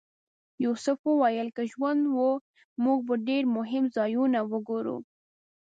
یوسف وویل که ژوند و موږ به ډېر مهم ځایونه وګورو.